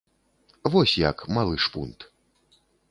Вось як, малы шпунт!